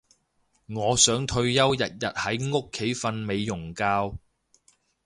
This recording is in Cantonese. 我想退休日日喺屋企瞓美容覺